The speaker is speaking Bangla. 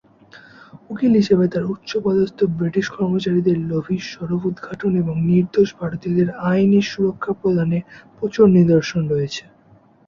উকিল হিসেবে তার উচ্চপদস্থ ব্রিটিশ কর্মচারীদের লোভী স্বরূপ উদ্ঘাটন এবং নির্দোষ ভারতীয়দের আইনি সুরক্ষা প্রদানের প্রচুর নিদর্শন রয়েছে।